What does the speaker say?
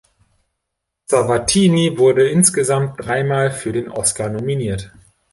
Zavattini wurde insgesamt dreimal für den Oscar nominiert.